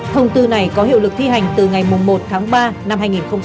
thông tư này có hiệu lực thi hành từ ngày một tháng ba năm hai nghìn hai mươi